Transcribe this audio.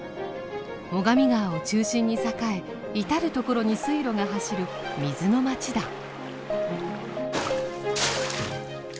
最上川を中心に栄え至る所に水路が走る水の町だ。